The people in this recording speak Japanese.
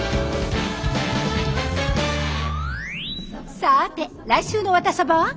さあて来週の「ワタサバ」は。